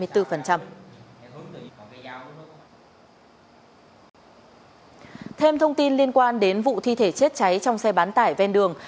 thêm thông tin liên quan đến vụ thi thể chết cháy trong xe bán tải ven đường